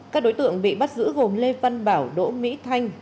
các đối tượng bị bắt giữ gồm lê văn bảo đỗ mỹ thanh